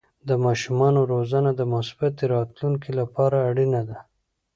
د ماشومانو روزنه د مثبتې راتلونکې لپاره اړینه ده.